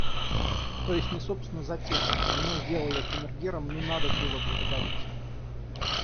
То есть не собственно затем... Меня сделали камергером, ну, надо было благодарить.